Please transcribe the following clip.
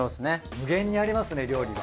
無限にありますね料理は。